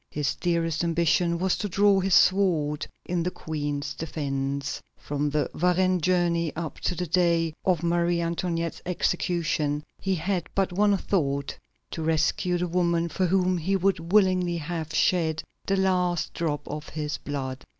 His dearest ambition was to draw his sword in the Queen's defence. From the Varennes journey up to the day of Marie Antoinette's execution, he had but one thought: to rescue the woman for whom he would willingly have shed the last drop of his blood.